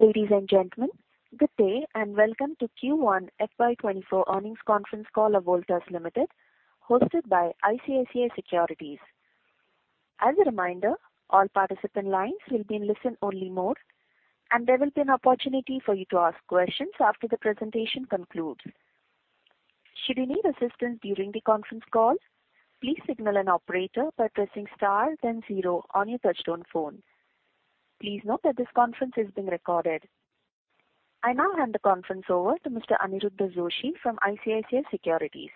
Ladies and gentlemen, good day, and welcome to Q1 FY 2024 earnings conference call of Voltas Limited, hosted by ICICI Securities. As a reminder, all participant lines will be in listen-only mode, and there will be an opportunity for you to ask questions after the presentation concludes. Should you need assistance during the conference call, please signal an operator by pressing star then 0 on your touch-tone phone. Please note that this conference is being recorded. I now hand the conference over to Mr. Aniruddha Joshi from ICICI Securities.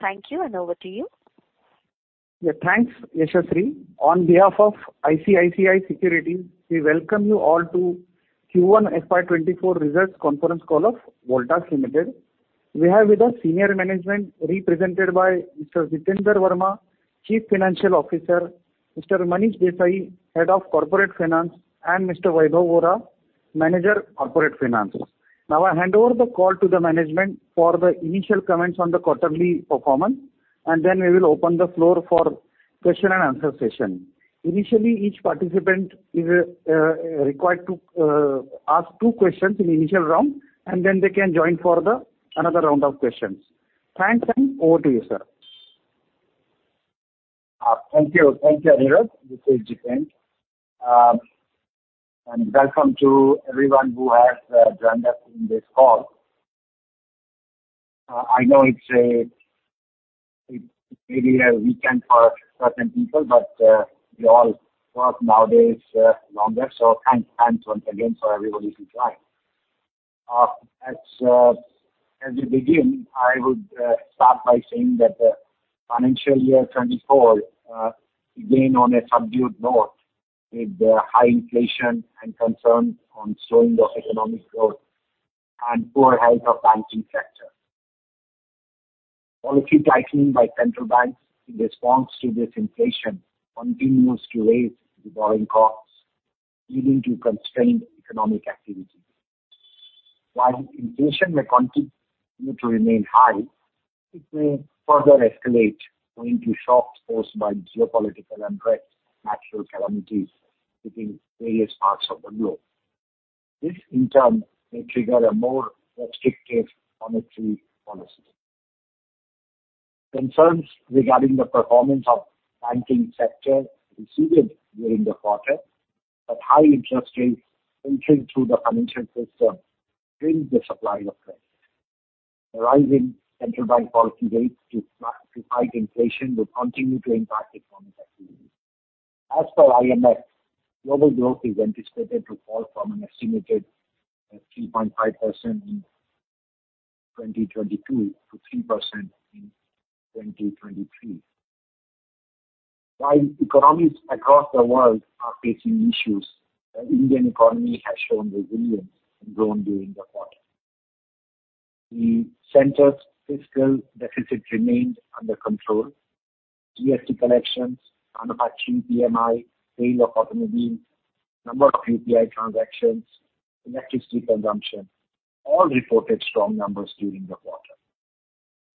Thank you, and over to you. Yeah, thanks, Yashaswi. On behalf of ICICI Securities, we welcome you all to Q1 FY 2024 results conference call of Voltas Limited. We have with us senior management represented by Mr. Jitender Verma, Chief Financial Officer, Mr. Manish Desai, Head of Corporate Finance, and Mr. Vaibhav Vora, Manager Corporate Finance. I hand over the call to the management for the initial comments on the quarterly performance, and then we will open the floor for question and answer session. Initially, each participant is required to ask two questions in the initial round, and then they can join for the another round of questions. Thanks. Over to you, sir. Thank you. Thank you, Aniruddha. This is Jitender. Welcome to everyone who has joined us in this call. I know it's maybe a weekend for certain people, but we all work nowadays longer. Thanks, thanks once again for everybody who joined. As we begin, I would start by saying that the financial year 2024 began on a subdued note, with the high inflation and concerns on slowing of economic growth and poor health of banking sector. Policy tightening by central banks in response to this inflation continues to raise the borrowing costs, leading to constrained economic activity. While inflation may continue to remain high, it may further escalate owing to shocks caused by geopolitical unrest, natural calamities within various parts of the globe. This, in turn, may trigger a more restrictive monetary policy. Concerns regarding the performance of banking sector receded during the quarter, high interest rates entering through the financial system strained the supply of credit. The rising central bank policy rates to fight inflation will continue to impact economic activity. As for IMF, global growth is anticipated to fall from an estimated 3.5% in 2022 to 3% in 2023. While economies across the world are facing issues, the Indian economy has shown resilience and grown during the quarter. The center's fiscal deficit remained under control. GST collections, manufacturing PMI, sale of automobiles, number of UPI transactions, electricity consumption, all reported strong numbers during the quarter.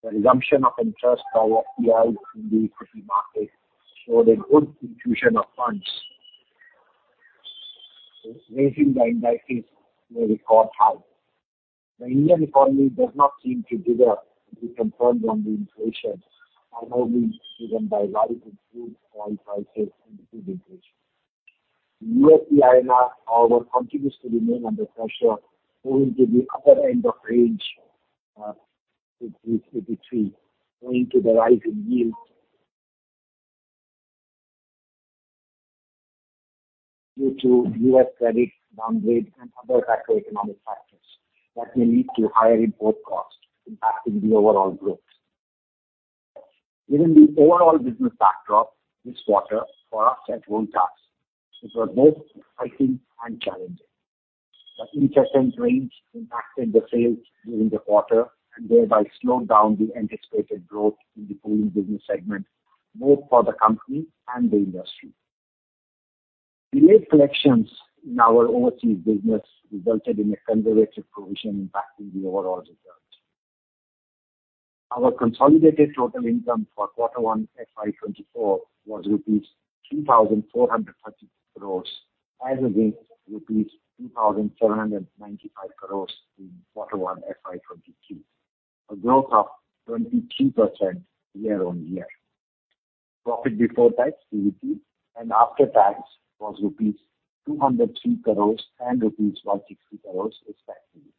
The resumption of interest by FII in the equity market showed a good infusion of funds, raising the indices to a record high. The Indian economy does not seem to dig up the concerns on the inflation, although driven by rise in food, oil prices, and input inflation. USD-INR, however, continues to remain under pressure, owing to the upper end of range, 60.53, owing to the rise in yield due to US credit downgrade and other macroeconomic factors that may lead to higher import costs, impacting the overall growth. Given the overall business backdrop this quarter, for us at Voltas, it was both exciting and challenging. The interest rates impacted the sales during the quarter and thereby slowed down the anticipated growth in the cooling business segment, both for the company and the industry. Delayed collections in our overseas business resulted in a conservative provision impacting the overall results. Our consolidated total income for Q1 FY 2024 was rupees 3,436 crores, as against rupees 2,495 crores in Q1 FY 2023, a growth of 22% YOY. Profit before tax, PBT, and after tax was rupees 203 crores and rupees 160 crores, respectively.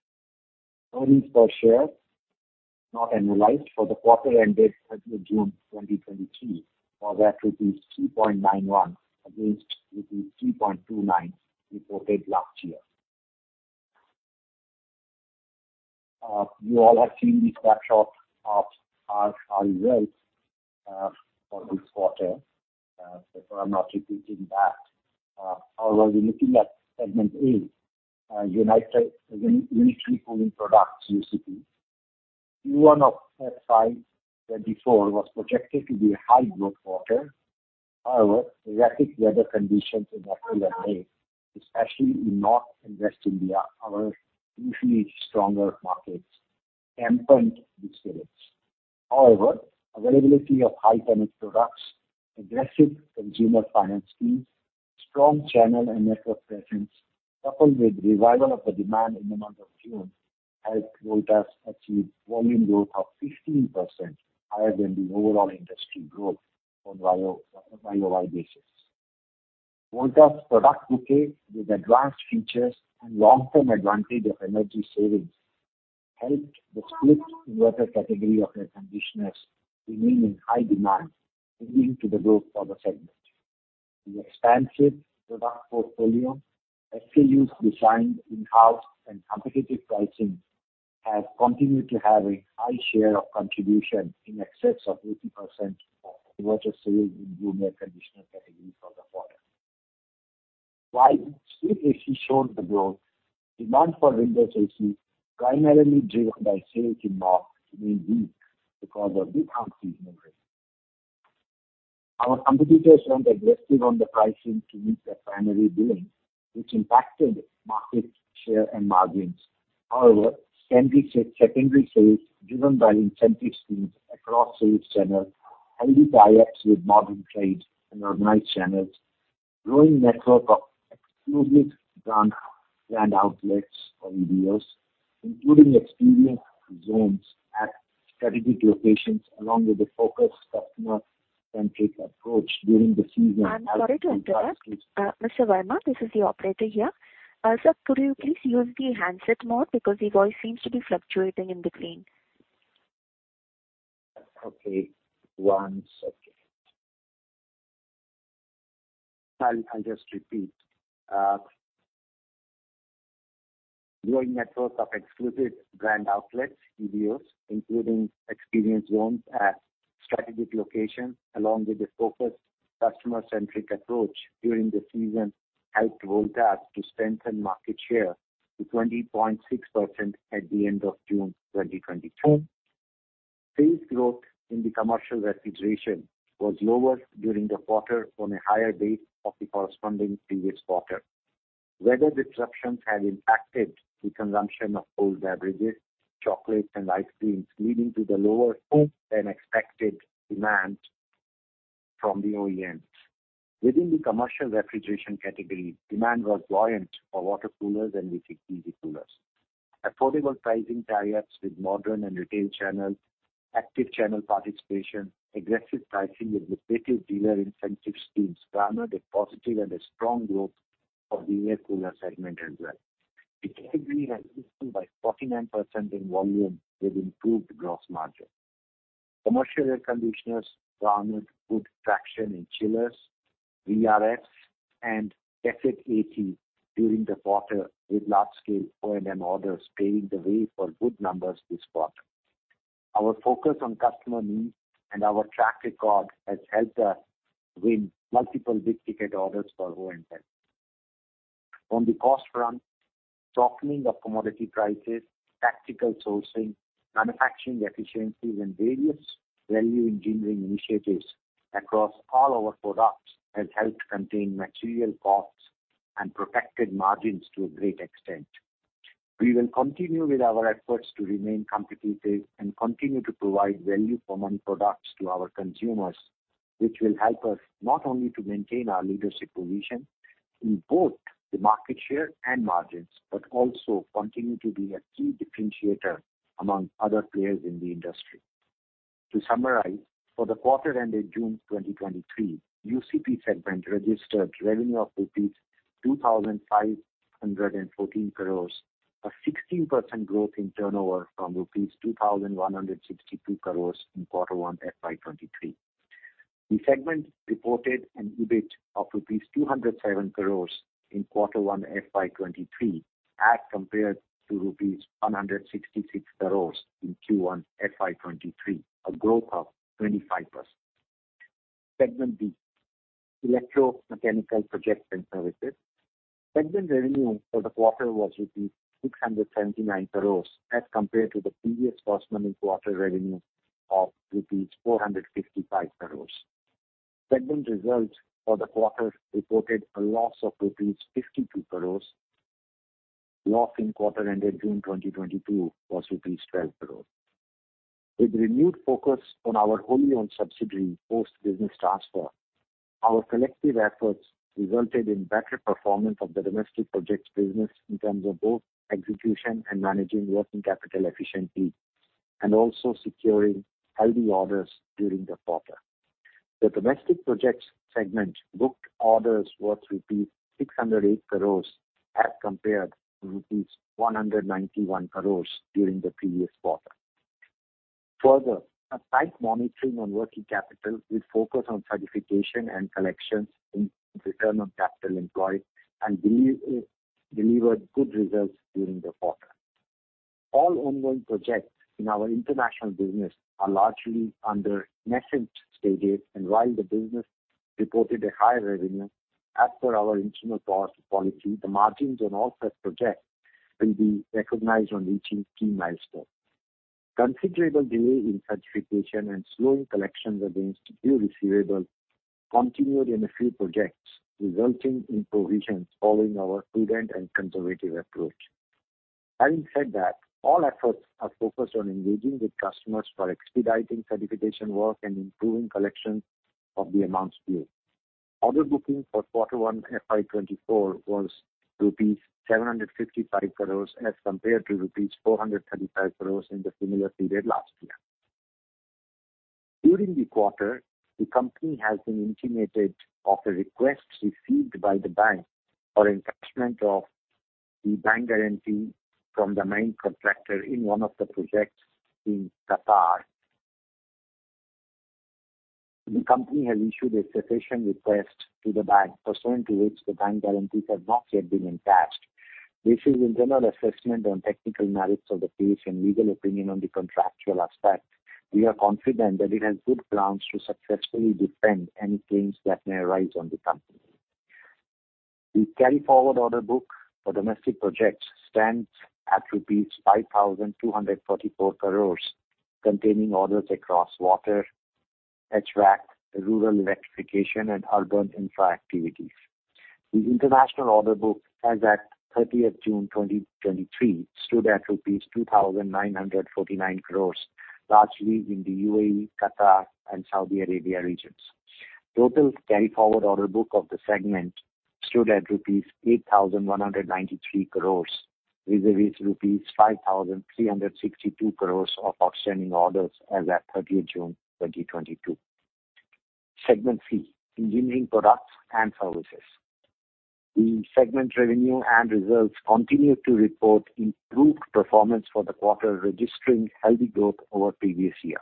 Earnings per share, not annualized, for the quarter ended June 30, 2023, was at rupees 2.91 against rupees 3.29 reported last year. You all have seen the snapshot of our results for this quarter, I'm not repeating that. However, we're looking at segment A, Unitary Cooling Products, UCP. Q1 of FY 2024 was projected to be a high-growth quarter. However, erratic weather conditions in October and May, especially in North and West India, our usually stronger markets, dampened the sales. However, availability of high tech products, aggressive consumer finance schemes, strong channel and network presence, coupled with revival of the demand in the month of June, helped Voltas achieve volume growth of 15% higher than the overall industry growth on YOY, YOY basis. Voltas product bouquet with advanced features and long-term advantage of energy savings, helped the split inverter category of air conditioners remain in high demand, leading to the growth of the segment. The expansive product portfolio, SKUs designed in-house, and competitive pricing has continued to have a high share of contribution in excess of 80% of inverter sales in room air conditioner category for the quarter. While split AC showed the growth, demand for window AC, primarily driven by sales in March, remained weak because of the off-season. Our competitors went aggressive on the pricing to meet their primary billing, which impacted market share and margins. However, secondary sales driven by incentive schemes across sales channels, highly tie-ups with modern trade and organized channels, growing network of exclusive brand, brand outlets for EDOs, including experience zones at strategic locations, along with the focused customer-centric approach during the season. I'm sorry to interrupt. Mr. Verma, this is the operator here. Sir, could you please use the handset mode because your voice seems to be fluctuating in between? Okay, one second. I'll, I'll just repeat. Growing network of exclusive brand outlets, EDOs, including experience zones at strategic locations, along with the focused customer-centric approach during the season, helped Voltas to strengthen market share to 20.6% at the end of June 2023. Sales growth in the commercial refrigeration was lower during the quarter on a higher base of the corresponding previous quarter. Weather disruptions had impacted the consumption of cold beverages, chocolates, and ice creams, leading to the lower than expected demand from the OEMs. Within the commercial refrigeration category, demand was buoyant for water coolers and easy coolers. Affordable pricing tie-ups with modern and retail channels, active channel participation, aggressive pricing, and competitive dealer incentive schemes garnered a positive and a strong growth for the air cooler segment as well. The category has grown by 49% in volume with improved gross margin. Commercial air conditioners garnered good traction in chillers, VRFs, and ducted AC during the quarter, with large-scale OEM orders paving the way for good numbers this quarter. Our focus on customer needs and our track record has helped us win multiple big-ticket orders for OEMs. On the cost front, softening of commodity prices, tactical sourcing, manufacturing efficiencies, and various value engineering initiatives across all our products has helped contain material costs and protected margins to a great extent. We will continue with our efforts to remain competitive and continue to provide value for money products to our consumers, which will help us not only to maintain our leadership position in both the market share and margins, but also continue to be a key differentiator among other players in the industry. To summarize, for the quarter ended June 2023, UCP segment registered revenue of rupees 2,514 crores, a 16% growth in turnover from rupees 2,162 crores in Q1 FY 2023. The segment reported an EBIT of rupees 207 crores in Q1 FY 2023, as compared to rupees 166 crores in Q1 FY 2023, a growth of 25%. Segment B, Electro-Mechanical Projects and Services. Segment revenue for the quarter was rupees 679 crores, as compared to the previous corresponding quarter revenue of rupees 465 crores. Segment results for the quarter reported a loss of rupees 52 crores. Loss in quarter ended June 2022 was rupees 12 crores. With renewed focus on our wholly-owned subsidiary post business transfer, our collective efforts resulted in better performance of the domestic projects business in terms of both execution and managing working capital efficiently, and also securing high orders during the quarter. The domestic projects segment booked orders worth rupees 608 crore, as compared to rupees 191 crore during the previous quarter. Further, a tight monitoring on working capital, with focus on certification and collections in return on capital employed, and delivered good results during the quarter. All ongoing projects in our international business are largely under nascent stages, and while the business reported a higher revenue, as per our internal policy, the margins on all such projects will be recognized on reaching key milestones. Considerable delay in certification and slowing collections against due receivables continued in a few projects, resulting in provisions following our prudent and conservative approach. Having said that, all efforts are focused on engaging with customers for expediting certification work and improving collection of the amounts due. Order booking for Q1 FY 2024 was rupees 755 crore as compared to rupees 435 crore in the similar period last year. During the quarter, the company has been intimated of a request received by the bank for encashment of the bank guarantee from the main contractor in one of the projects in Qatar. The company has issued a cessation request to the bank, pursuant to which the bank guarantees have not yet been encashed. Based on the general assessment on technical merits of the case and legal opinion on the contractual aspect, we are confident that it has good grounds to successfully defend any claims that may arise on the company. The carry forward order book for domestic projects stands at rupees 5,244 crore, containing orders across water, HVAC, rural electrification, and urban infra activities. The international order book as at 30th June 2023, stood at rupees 2,949 crore, largely in the UAE, Qatar, and Saudi Arabia regions. Total carry forward order book of the segment stood at rupees 8,193 crore, vis-a-vis rupees 5,362 crore of outstanding orders as at 30th June 2022. Segment 3: Engineering products and services. The segment revenue and results continued to report improved performance for the quarter, registering healthy growth over previous year.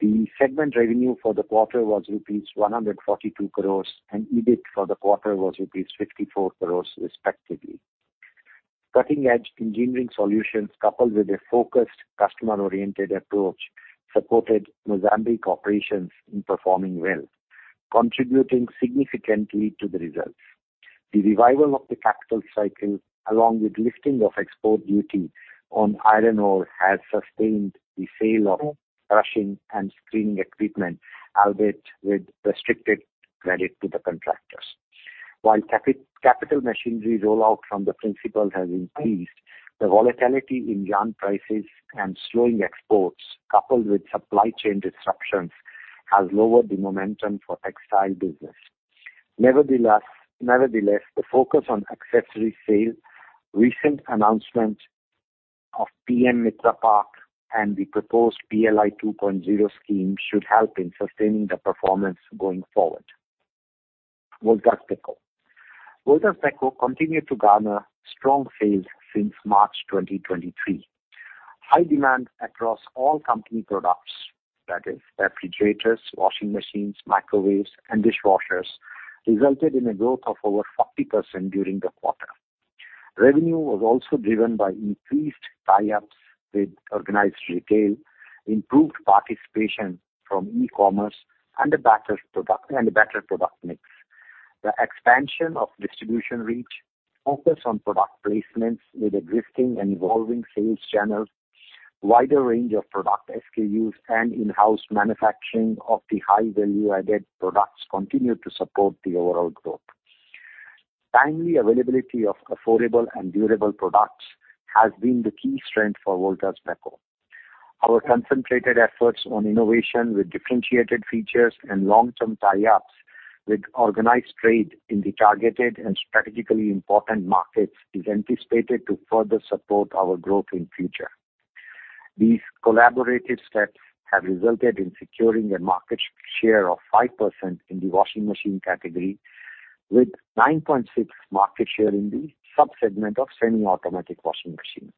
The segment revenue for the quarter was rupees 142 crore, and EBIT for the quarter was rupees 54 crore, respectively. Cutting-edge engineering solutions, coupled with a focused customer-oriented approach, supported Mozambique operations in performing well, contributing significantly to the results. The revival of the capital cycle, along with lifting of export duty on iron ore, has sustained the sale of crushing and screening equipment, albeit with restricted credit to the contractors. While capital machinery rollout from the principal has increased, the volatility in yarn prices and slowing exports, coupled with supply chain disruptions, has lowered the momentum for textile business. Nevertheless, nevertheless, the focus on accessory sales, recent announcement of PM MITRA Park, and the proposed PLI 2.0 scheme should help in sustaining the performance going forward. Voltas Beko. Voltas Beko continued to garner strong sales since March 2023. High demand across all company products, that is refrigerators, washing machines, microwaves, and dishwashers, resulted in a growth of over 40% during the quarter. Revenue was also driven by increased tie-ups with organized retail, improved participation from e-commerce, and a better product, and a better product mix. The expansion of distribution reach, focus on product placements with existing and evolving sales channels, wider range of product SKUs, and in-house manufacturing of the high value-added products continue to support the overall growth. Timely availability of affordable and durable products has been the key strength for Voltas Beko. Our concentrated efforts on innovation with differentiated features and long-term tie-ups with organized trade in the targeted and strategically important markets is anticipated to further support our growth in future. These collaborative steps have resulted in securing a market share of 5% in the washing machine category, with 9.6% market share in the sub-segment of semi-automatic washing machines.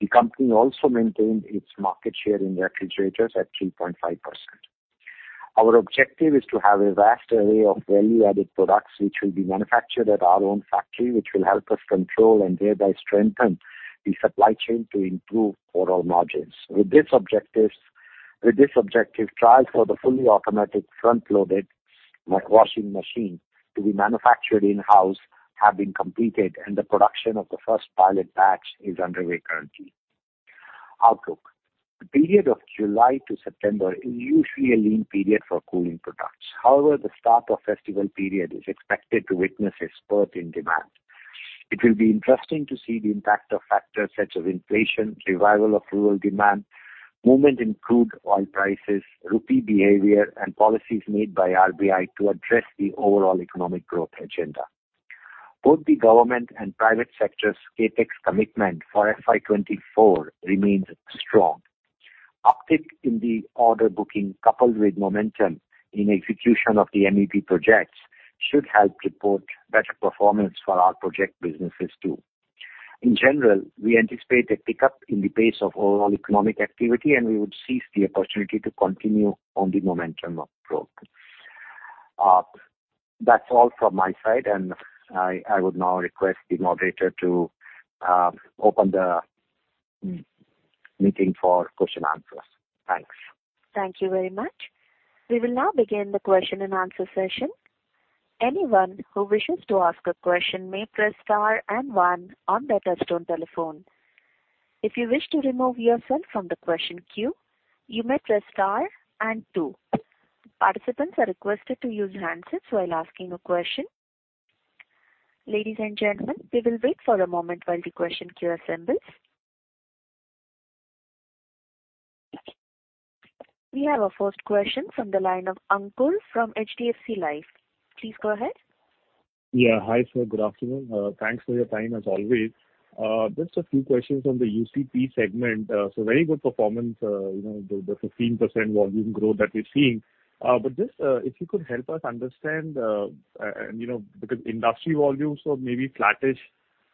The company also maintained its market share in refrigerators at 3.5%. Our objective is to have a vast array of value-added products, which will be manufactured at our own factory, which will help us control and thereby strengthen the supply chain to improve overall margins. With this objective, trials for the fully automatic front-loaded washing machine to be manufactured in-house have been completed, and the production of the first pilot batch is underway currently. Outlook. The period of July to September is usually a lean period for cooling products. However, the start of festival period is expected to witness a spurt in demand. It will be interesting to see the impact of factor such as inflation, revival of rural demand, movement in crude oil prices, rupee behavior, and policies made by RBI to address the overall economic growth agenda. Both the government and private sector's CapEx commitment for FY 2024 remains strong. Uptick in the order booking, coupled with momentum in execution of the MEP projects, should help report better performance for our project businesses, too. In general, we anticipate a pickup in the pace of overall economic activity, and we would seize the opportunity to continue on the momentum of growth. That's all from my side. I would now request the moderator to open the meeting for question and answers. Thanks. Thank you very much. We will now begin the question and answer session. Anyone who wishes to ask a question may press star and 1 on their touchtone telephone. If you wish to remove yourself from the question queue, you may press star and 2. Participants are requested to use handsets while asking a question. Ladies and gentlemen, we will wait for a moment while the question queue assembles. We have our first question from the line of Ankur from HDFC Life. Please go ahead. Yeah. Hi, sir. Good afternoon. Thanks for your time, as always. Just a few questions on the UCP segment. Very good performance, you know, the 15% volume growth that we're seeing. Just, if you could help us understand, you know, because industry volumes are maybe flattish,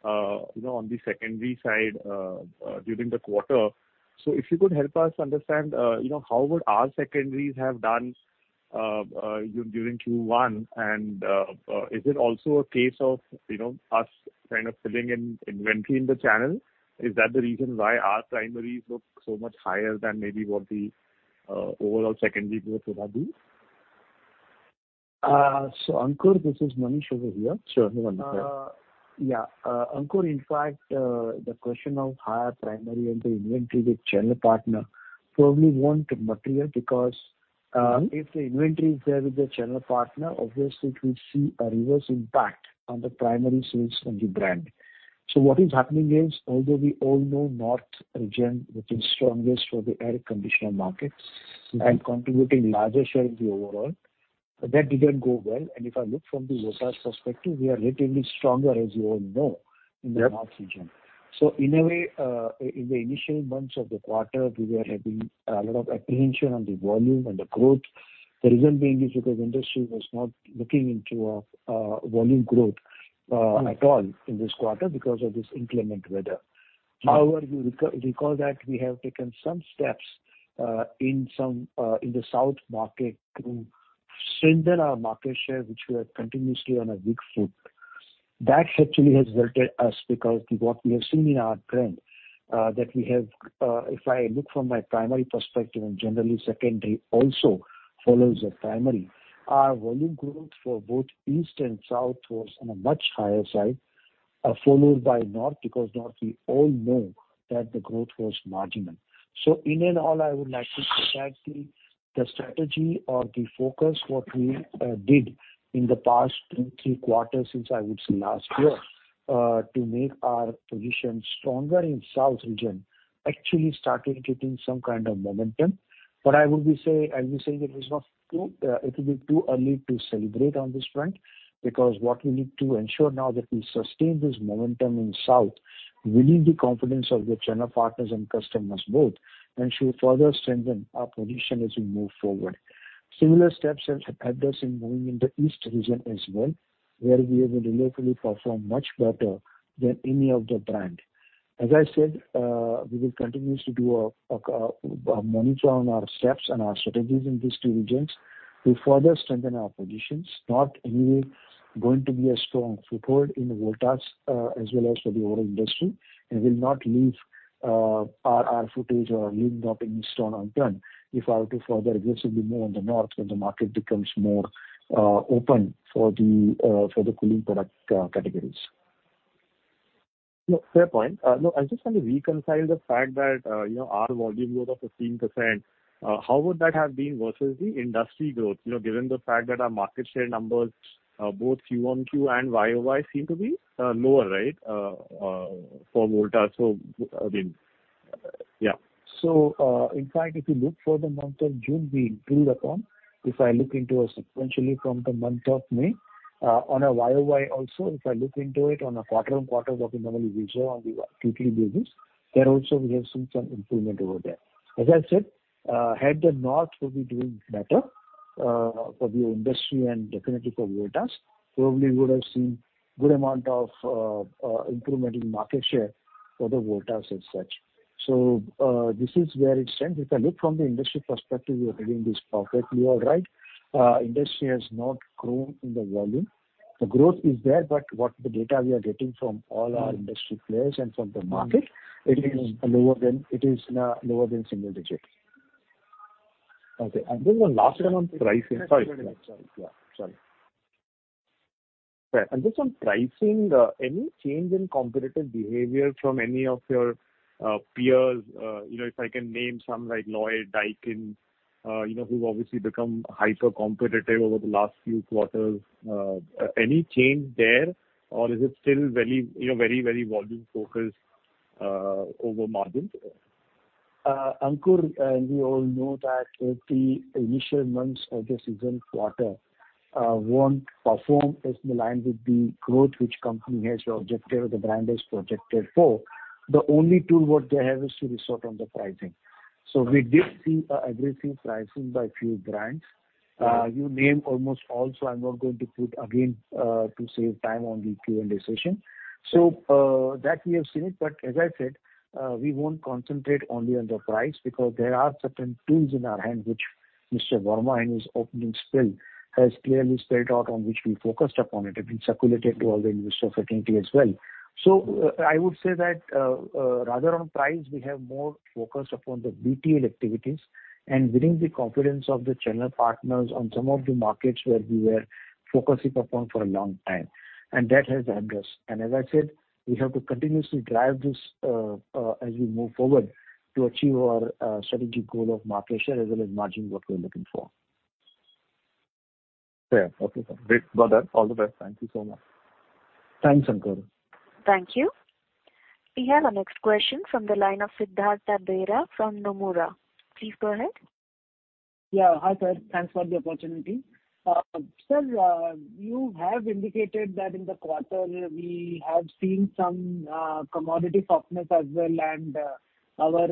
you know, on the secondary side, during the quarter. If you could help us understand, you know, how would our secondaries have done during Q1? Is it also a case of, you know, us kind of filling in inventory in the channel? Is that the reason why our primaries look so much higher than maybe what the overall secondary growth would have been? Ankur, this is Manish over here. Sure. Yeah. Ankur, in fact, the question of higher primary and the inventory with channel partner probably won't material, because. Mm-hmm. If the inventory is there with the channel partner, obviously it will see a reverse impact on the primary sales from the brand. What is happening is, although we all know North region, which is strongest for the air conditioner market, and contributing larger share of the overall, so that didn't go well. If I look from the Voltas perspective, we are relatively stronger, as you well know. Yep. -in the North region. In a way, in the initial months of the quarter, we were having a lot of apprehension on the volume and the growth. The reason being is because industry was not looking into volume growth at all in this quarter because of this inclement weather. Mm. You recall that we have taken some steps in some, in the South market to strengthen our market share, which we are continuously on a weak foot. That actually has helped us because what we have seen in our trend, that we have... If I look from my primary perspective, and generally secondary also follows the primary, our volume growth for both East and South was on a much higher side, followed by North, because North we all know that the growth was marginal. So in and all, I would like to say the, the strategy or the focus, what we did in the past two, three quarters, since I would say last year, to make our position stronger in South region, actually started getting some kind of momentum. I would be say, I'll be saying it will be too early to celebrate on this front, because what we need to ensure now that we sustain this momentum in South, we need the confidence of the channel partners and customers both, and should further strengthen our position as we move forward. Similar steps have helped us in moving in the East region as well, where we were able to locally perform much better than any of the brand. As I said, we will continuously do a monitor on our steps and our strategies in these two regions to further strengthen our positions, not only going to be a strong foothold in Voltas, as well as for the overall industry, and will not leave our footage or leave nothing stone unturned if I have to further aggressively move on the North when the market becomes more open for the for the cooling product categories. No, fair point. No, I just want to reconcile the fact that, you know, our volume growth of 15%, how would that have been versus the industry growth? You know, given the fact that our market share numbers, both QoQ and YOY seem to be lower, right? for Voltas. Yeah. In fact, if you look for the month of June, we improved upon. If I look into it sequentially from the month of May, on a YOY also, if I look into it on a quarter-on-quarter, what we normally will show on the quarterly basis, there also we have seen some improvement over there. As I said, had the North will be doing better for the industry and definitely for Voltas, probably we would have seen good amount of improvement in market share for the Voltas as such. This is where it stands. If I look from the industry perspective, we are having this profit. You are right, industry has not grown in the volume. The growth is there, what the data we are getting from all our industry players and from the market, it is lower than, it is lower than single digit. Okay. Then the last one on pricing. Sorry, sorry. Yeah, sorry. Just on pricing, any change in competitive behavior from any of your peers? You know, if I can name some, like, Lloyd, Daikin, you know, who've obviously become hyper competitive over the last few quarters. Any change there, or is it still very, you know, very, very volume focused over margins? Ankur, we all know that if the initial months of the season quarter, won't perform as in line with the growth which company has projected or the brand has projected for, the only tool what they have is to resort on the pricing. We did see, aggressive pricing by a few brands. Mm. You name almost all, so I'm not going to put again to save time on the Q&A session. That we have seen it, but as I said, we won't concentrate only on the price, because there are certain tools in our hand which Mr. Verma, in his opening spiel, has clearly spelled out on which we focused upon it, have been circulated to all the investors attending as well. I would say that, rather on price, we have more focused upon the BTL activities and winning the confidence of the channel partners on some of the markets where we were focusing upon for a long time, and that has helped us. As I said, we have to continuously drive this as we move forward to achieve our strategic goal of market share as well as margin, what we're looking for. Yeah. Okay, sir. Great. Got that. All the best. Thank you so much. Thanks, Shankar. Thank you. We have our next question from the line of Siddharth Bera from Nomura. Please go ahead. Yeah. Hi, sir. Thanks for the opportunity. Sir, you have indicated that in the quarter we have seen some commodity softness as well. Our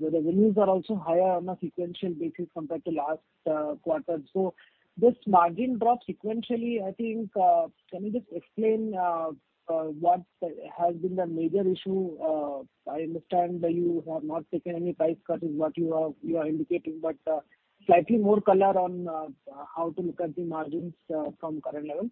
revenues are also higher on a sequential basis compared to last quarter. This margin drop sequentially, I think, can you just explain what has been the major issue? I understand that you have not taken any price cut, is what you are indicating, but slightly more color on how to look at the margins from current levels.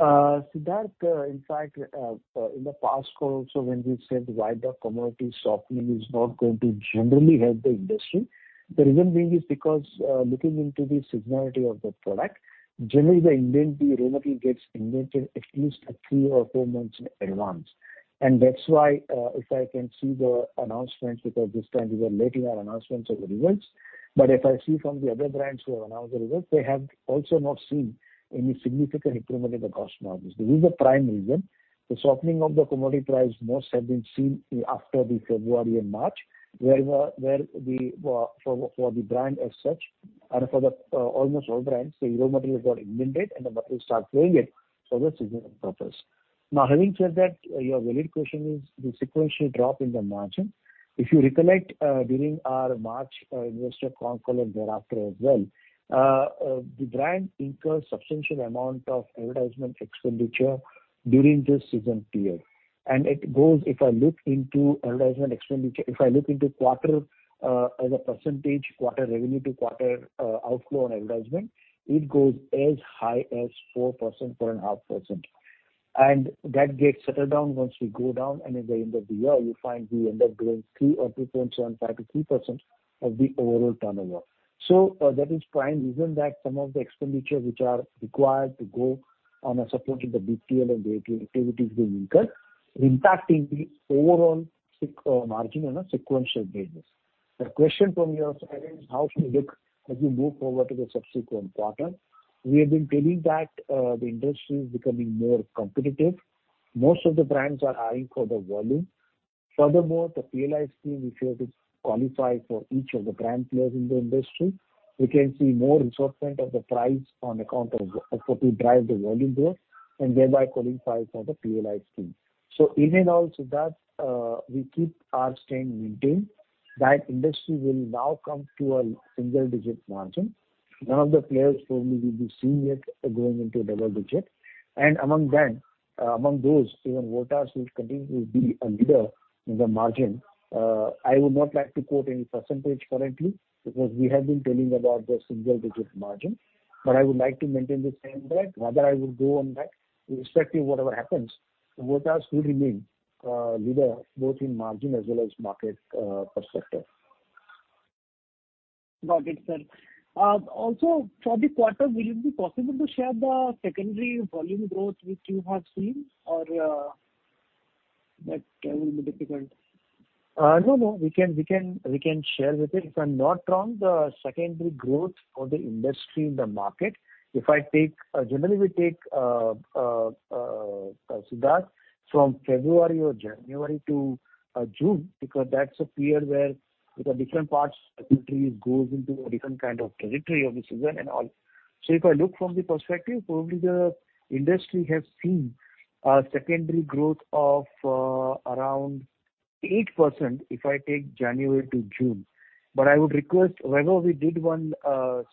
Siddharth, in fact, in the past call also, when we said why the commodity softening is not going to generally help the industry, the reason being is because, looking into the seasonality of the product, generally, the inventory normally gets invented at least a three or four months in advance. That's why, if I can see the announcements, because this time we were letting our announcements of the results. If I see from the other brands who announce the results, they have also not seen any significant improvement in the cost margins. This is the prime reason. The softening of the commodity price most have been seen after the February and March, where the, where the for, for the brand as such, and for the almost all brands, the inventory has got invented, and then we start selling it for the season purpose. Now, having said that, your valid question is the sequential drop in the margin. If you recollect, during our March investor conference thereafter as well, the brand incurs substantial amount of advertisement expenditure during this season period. It goes, if I look into advertisement expenditure, if I look into quarter, as a percentage, quarter revenue to quarter outflow on advertisement, it goes as high as 4%, 4.5%. That gets settled down once we go down, and at the end of the year, you find we end up growing 3 or 2.75%-3% of the overall turnover. That is prime reason that some of the expenditures which are required to go on a support to the BTL and the activities we incur, impacting the overall sec, margin on a sequential basis. The question from your side is how to look as we move forward to the subsequent quarter. We have been telling that, the industry is becoming more competitive. Most of the brands are eyeing for the volume. Furthermore, the PLI scheme, if you have to qualify for each of the brand players in the industry, we can see more resortment of the price on account of, so to drive the volume growth and thereby qualify for the PLI scheme. Even all, Siddharth, we keep our stand maintained, that industry will now come to a single-digit margin. None of the players probably will be seeing it going into a double digit. Among them, among those, even Voltas will continue to be a leader in the margin. I would not like to quote any percentage currently, because we have been telling about the single-digit margin, but I would like to maintain the same trend. Rather, I would go on that irrespective of whatever happens, Voltas will remain leader both in margin as well as market perspective. Got it, sir. Also for the quarter, will it be possible to share the secondary volume growth which you have seen or, that will be difficult? No, no, we can, we can, we can share with it. If I'm not wrong, the secondary growth for the industry in the market, if I take... Generally, we take, Siddharth, from February or January to June, because that's a period where the different parts of the country goes into a different kind of trajectory of the season and all. If I look from the perspective, probably the industry has seen a secondary growth of around 8%, if I take January to June. I would request, Vaibhav, we did one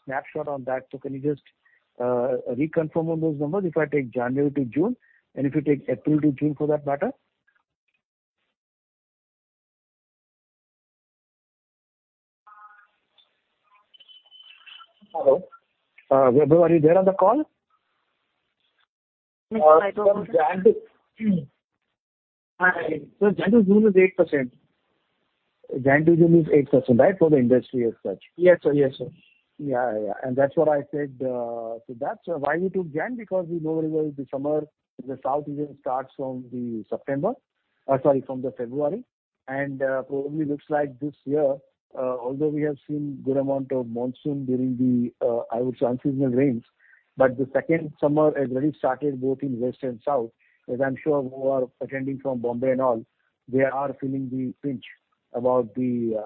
snapshot on that, so can you just reconfirm on those numbers, if I take January to June, and if you take April to June for that matter? Hello? Vaibhav, are you there on the call? Hi. January to June is 8%. January to June is 8%, right, for the industry as such? Yes, sir. Yes, sir. Yeah, yeah. That's what I said, Siddharth. Why we took January? Because we know very well the summer in the South region starts from the September, sorry, from the February. Probably looks like this year, although we have seen good amount of monsoon during the, I would say, unseasonal rains. The second summer has already started, both in West and South, as I'm sure who are attending from Bombay and all, they are feeling the pinch about the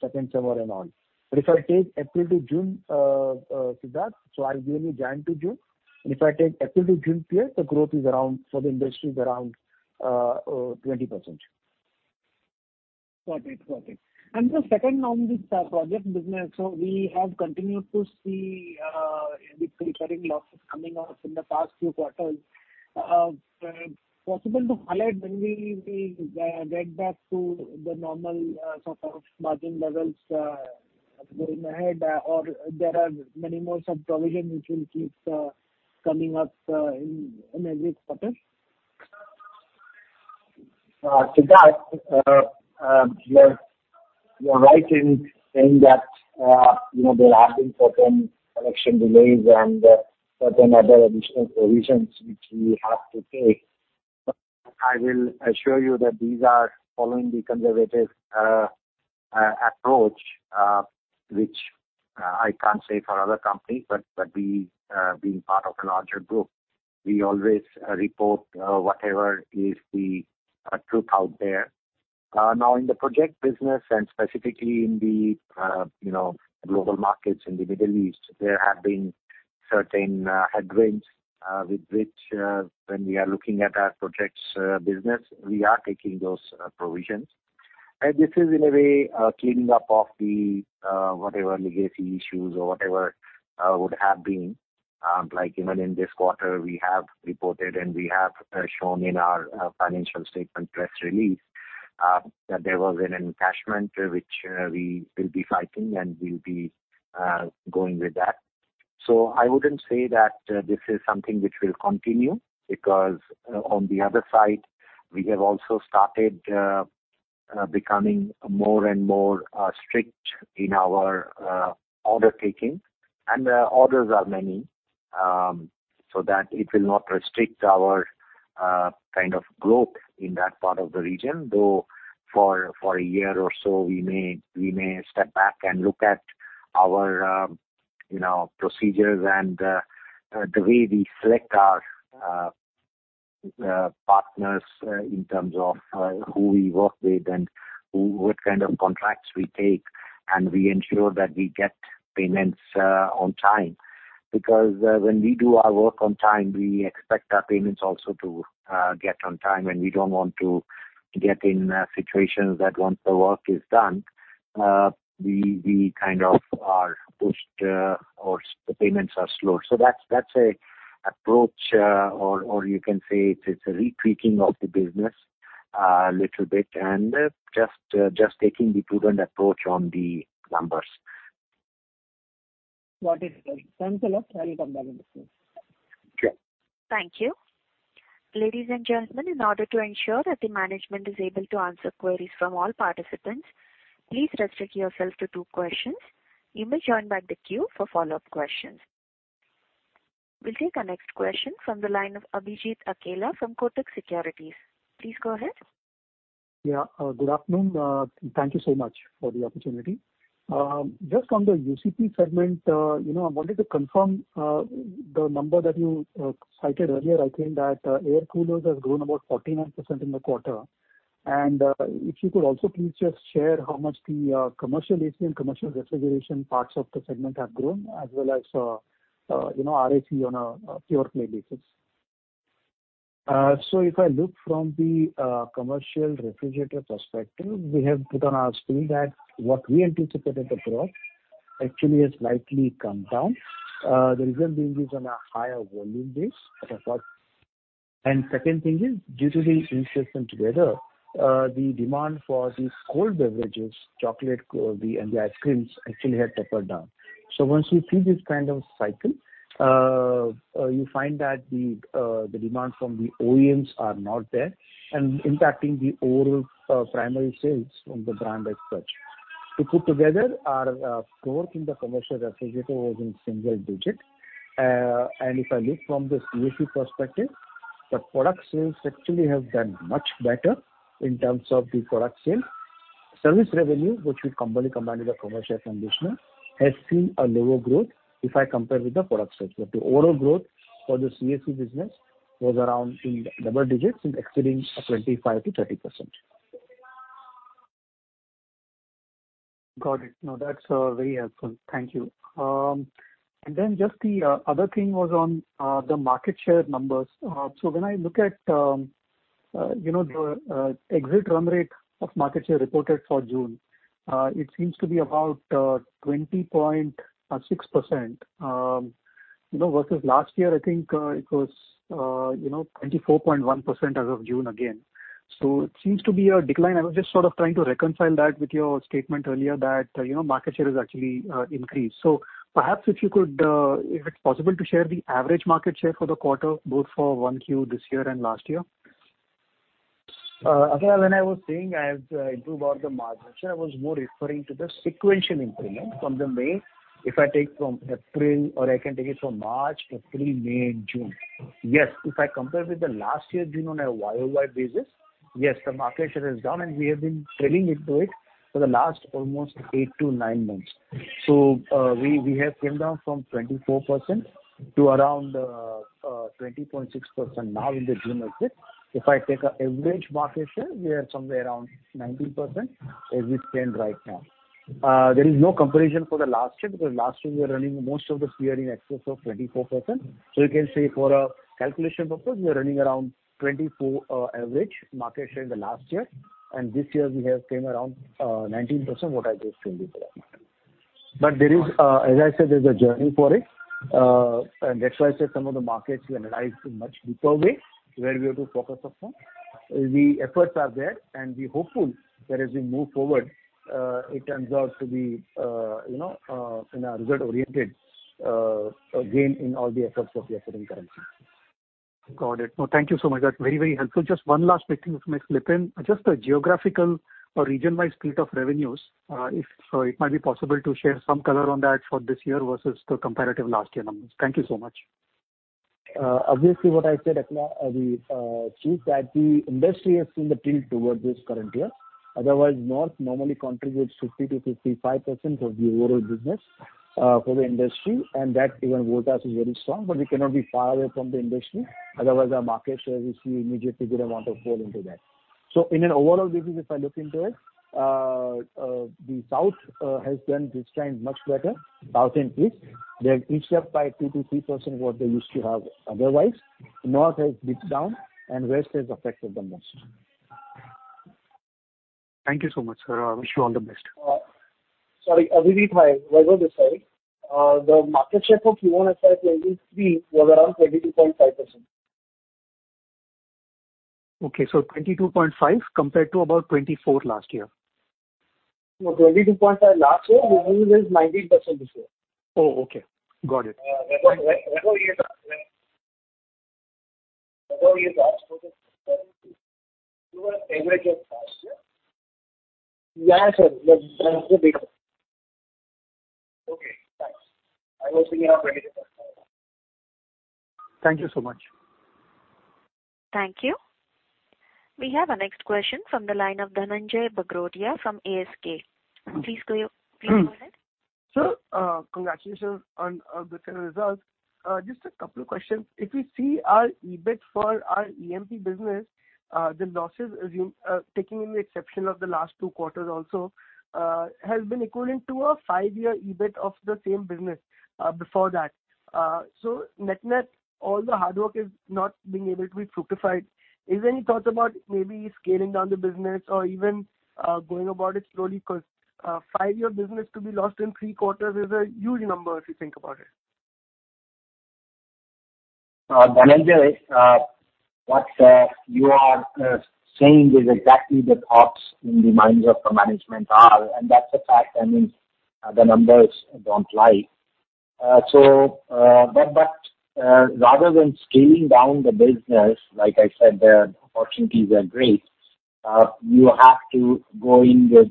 second summer and all. If I take April to June, Siddharth, I'll give you January to June. If I take April to June period, the growth is around, for the industry, is around 20%. Got it. Got it. The second on this project business, we have continued to see the recurring losses coming up in the past few quarters. Possible to highlight when we will get back to the normal sort of margin levels going ahead, or there are many more sub provision which will keep coming up in every quarter? Siddharth, you're, you're right in saying that, you know, there have been certain collection delays and certain other additional provisions which we have to take. I will assure you that these are following the conservative approach, which I can't say for other companies, but, but we, being part of a larger group, we always report whatever is the truth out there. Now, in the project business, and specifically in the, you know, global markets in the Middle East, there have been certain headwinds, with which, when we are looking at our projects business, we are taking those provisions. And this is in a way, cleaning up of the whatever legacy issues or whatever would have been. Like even in this quarter, we have reported, and we have shown in our financial statement press release, that there was an encashment, which we will be fighting and we'll be going with that. I wouldn't say that this is something which will continue, because on the other side, we have also started becoming more and more strict in our order taking. The orders are many, so that it will not restrict our kind of growth in that part of the region, though for a year or so, we may, we may step back and look at our, you know, procedures and the way we select our partners in terms of who we work with and what kind of contracts we take, and we ensure that we get payments on time. Because when we do our work on time, we expect our payments also to get on time, and we don't want to get in a situation that once the work is done, we kind of are pushed, or the payments are slow. That's a approach, or you can say it's a retweaking of the business, little bit, and, just taking the prudent approach on the numbers. Got it. Thanks a lot. I will come back in the queue. Sure. Thank you. Ladies and gentlemen, in order to ensure that the management is able to answer queries from all participants, please restrict yourself to 2 questions. You may join back the queue for follow-up questions. We'll take our next question from the line of Abhijit Akella from Kotak Securities. Please go ahead. Yeah. Good afternoon. Thank you so much for the opportunity. Just on the UCP segment, you know, I wanted to confirm the number that you cited earlier. I think that air coolers have grown about 49% in the quarter. If you could also please just share how much the commercial AC and commercial refrigeration parts of the segment have grown, as well as, you know, RAC on a pure play basis. If I look from the commercial refrigerator perspective, we have put on our screen that what we anticipated the growth actually has slightly come down. The reason being is on a higher volume base, as I thought. Second thing is, due to the inflation together, the demand for these cold beverages, chocolate, cold, and the ice creams actually have tapered down. Once you see this kind of cycle, you find that the demand from the OEMs are not there and impacting the overall primary sales from the brand as such. To put together, our growth in the commercial refrigerator was in single digit. If I look from the CAC perspective, the product sales actually have done much better in terms of the product sale. Service revenue, which we commonly combine with the commercial conditioner, has seen a lower growth if I compare with the product sales. The overall growth for the CAC business was around in double digits and exceeding 25%-30%. Got it. Now, that's very helpful. Thank you. Then just the other thing was on the market share numbers. When I look at the exit run rate of market share reported for June, it seems to be about 20.6%. Versus last year, I think, it was 24.1% as of June again. It seems to be a decline. I was just sort of trying to reconcile that with your statement earlier, that market share is actually increased. Perhaps if you could, if it's possible, to share the average market share for the quarter, both for Q1 this year and last year? Akella, when I was saying as I do about the market share, I was more referring to the sequential improvement from the May. If I take from April, or I can take it from March, April, May, and June. Yes, if I compare with the last year, June, on a YOY basis, yes, the market share has gone, and we have been trailing into it for the last almost 8-9 months. So, we, we have came down from 24% to around 20.6% now in the June exit. If I take a average market share, we are somewhere around 19%, as we stand right now. There is no comparison for the last year, because last year we were running most of the year in excess of 24%. You can say for calculation purpose, we are running around 24 average market share in the last year, and this year we have came around 19%, what I just told you for that matter. There is, as I said, there's a journey for it, and that's why I said some of the markets we analyze in much deeper way, where we have to focus upon. The efforts are there, and we're hopeful that as we move forward, it turns out to be, you know, in a result-oriented gain in all the efforts of the effort and currency. Got it. No, thank you so much. That's very, very helpful. Just one last quick thing, if I may slip in. Just the geographical or region-wide split of revenues, if it might be possible to share some color on that for this year versus the comparative last year numbers. Thank you so much.... obviously, what I said, we see that the industry has seen the tilt towards this current year. Otherwise, north normally contributes 50%-55% of the overall business for the industry, and that even Voltas is very strong, but we cannot be far away from the industry. Otherwise, our market share will see immediate figure amount of fall into that. In an overall business, if I look into it, the south has done this time much better, south and east. They have each up by 2%-3% what they used to have. Otherwise, north has dipped down and west is affected the most. Thank you so much, sir. I wish you all the best. Sorry, Abhijit, hi. Vaibhav on this side. The market share for Q1 FY 2023 was around 22.5%. Okay, 22.5 compared to about 24 last year? No, 22.5 last year, we were just 19% this year. Oh, okay. Got it. Average of last year. Yeah, sir. That's the data. Okay, thanks. I also have 20%. Thank you so much. Thank you. We have our next question from the line of Dhananjai Bagrodia from ASK. Please go ahead. Sir, congratulations on the final results. Just a couple of questions. If we see our EBIT for our EMP business, the losses, as you, taking in the exception of the last 2 quarters also, has been equivalent to a 5-year EBIT of the same business, before that. Net-net, all the hard work is not being able to be fructified. Is there any thoughts about maybe scaling down the business or even going about it slowly? Because, 5-year business to be lost in 3 quarters is a huge number, if you think about it. Dhananjai, what you are saying is exactly the thoughts in the minds of the management are, and that's a fact. I mean, the numbers don't lie. Rather than scaling down the business, like I said, the opportunities are great. You have to go in with,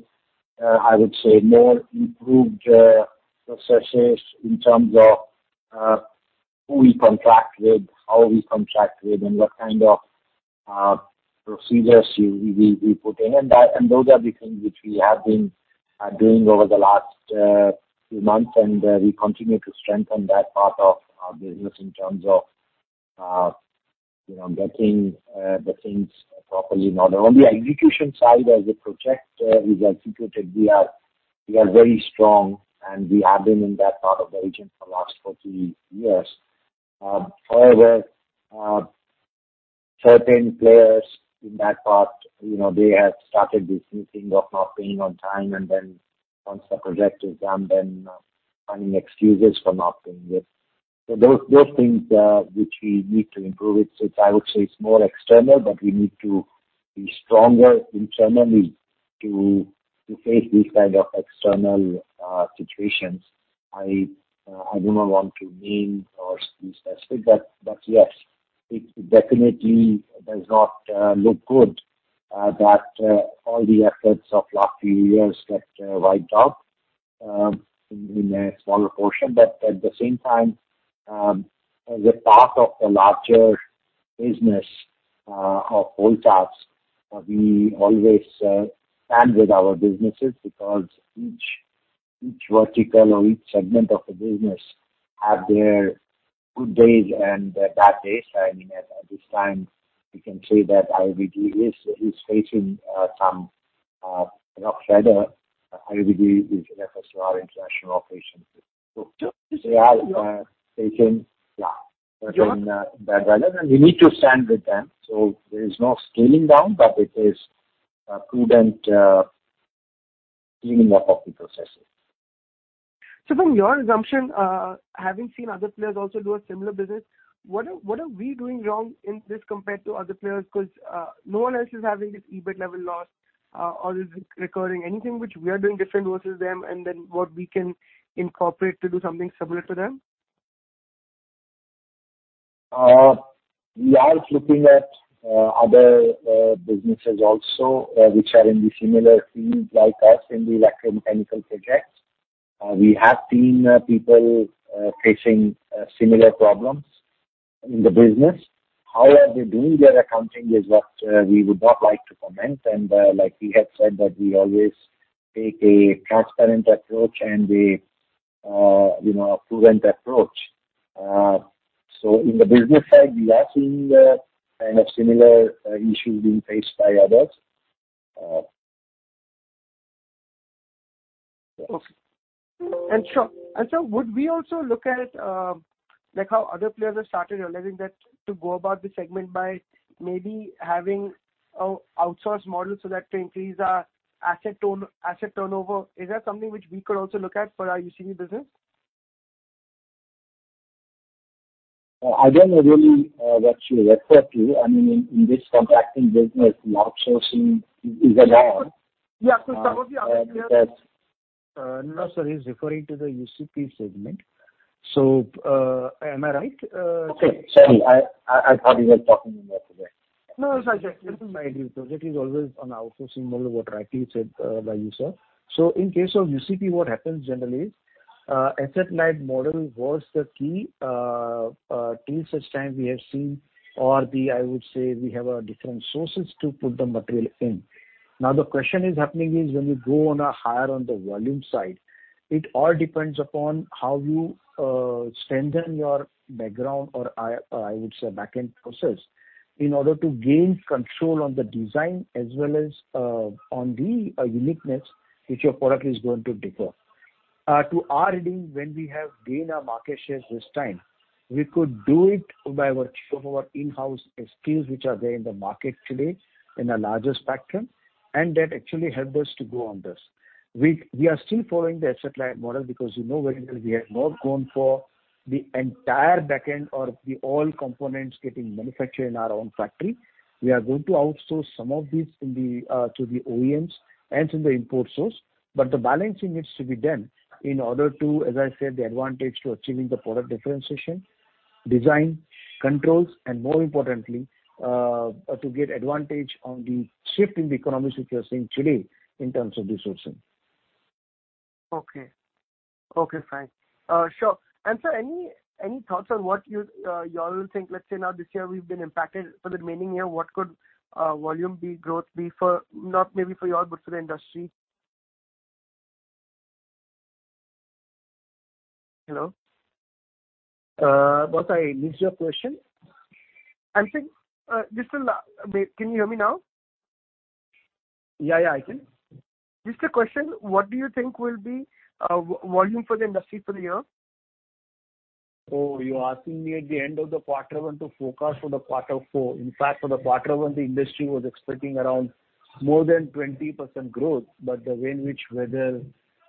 I would say, more improved processes in terms of who we contract with, how we contract with, and what kind of procedures we put in. Those are the things which we have been doing over the last few months. We continue to strengthen that part of our business in terms of, you know, getting the things properly. Now, on the execution side, as a project is executed, we are, we are very strong, and we have been in that part of the region for the last 40 years. Certain players in that part, you know, they have started this new thing of not paying on time, and then once the project is done, then finding excuses for not paying it. Those, those things which we need to improve it. I would say it's more external, but we need to be stronger internally to, to face this kind of external situations. I, I do not want to name or be specific, but, but yes, it definitely does not look good that all the efforts of last few years get wiped out in a smaller portion. At the same time, as a part of a larger business of Voltas, we always stand with our businesses because each, each vertical or each segment of the business have their good days and the bad days. I mean, at this time, we can say that IBD is, is facing some rough weather. IBD is for international operations. They are facing, yeah, bad weather, and we need to stand with them. There is no scaling down, but it is a prudent cleaning up of the processes. From your assumption, having seen other players also do a similar business, what are, what are we doing wrong in this compared to other players? Because no one else is having this EBIT level loss, or is recurring. Anything which we are doing different versus them, and then what we can incorporate to do something similar to them? We are looking at other businesses also, which are in the similar field like us in the electromechanical projects. We have seen people facing similar problems in the business. How are they doing their accounting is what we would not like to comment, and like we have said, that we always take a transparent approach and a, you know, a prudent approach. So in the business side, we are seeing kind of similar issues being faced by others. Okay. Sir, would we also look at, like how other players have started realizing that to go about the segment by maybe having a outsourced model so that to increase our asset turn, asset turnover? Is that something which we could also look at for our UCP business? I don't know really, what you refer to. I mean, in this contracting business, outsourcing is there. Yeah, some of the other players. No, sir, he's referring to the UCP segment. Am I right? Okay, sorry. I, I, I thought you were talking about- No, it's like I agree, because it is always on outsourcing model what rightly said, by you, sir. In case of UCP, what happens generally, asset-light model was the key, till such time we have seen or I would say we have a different sources to put the material in. The question is happening is when you go on a higher on the volume side, it all depends upon how you strengthen your background or I would say, back-end process, in order to gain control on the design as well as on the uniqueness which your product is going to differ. To our reading, when we have gained our market shares this time, we could do it by virtue of our in-house SKUs, which are there in the market today in a larger spectrum, and that actually helped us to go on this. We are still following the asset-light model because you know very well we have not gone for the entire back end or the all components getting manufactured in our own factory. We are going to outsource some of these to the OEMs and to the import source, but the balancing needs to be done in order to, as I said, the advantage to achieving the product differentiation, design, controls, and more importantly, to get advantage on the shift in the economics, which we are seeing today in terms of resourcing. Okay. Okay, fine. Sure. Sir, any, any thoughts on what you, you all think? Let's say now, this year we've been impacted. For the remaining year, what could, volume be, growth be for-- not maybe for you all, but for the industry? Hello? boss, I missed your question. I'm saying, this will... Can you hear me now? Yeah, yeah, I can. Just a question: What do you think will be volume for the industry for the year? Oh, you're asking me at the end of the quarter one to forecast for the quarter four. In fact, for the quarter one, the industry was expecting around more than 20% growth, but the way in which weather